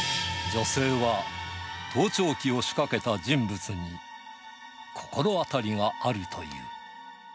女性は、盗聴器を仕掛けた人物に、心当たりがあるという。